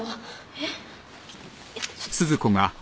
えっ！